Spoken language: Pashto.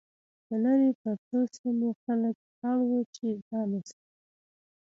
د لرې پرتو سیمو خلک اړ وو چې ځان وساتي.